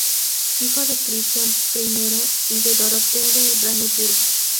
Hijo de Cristián I y de Dorotea de Brandeburgo.